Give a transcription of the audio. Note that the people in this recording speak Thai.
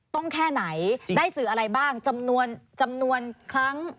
แค่ไหนได้สื่ออะไรบ้างจำนวนจำนวนครั้ง